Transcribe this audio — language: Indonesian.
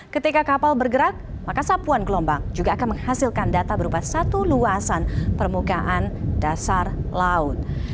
ketika kapal bergerak maka sapuan gelombang juga akan menghasilkan data berupa satu luasan permukaan dasar laut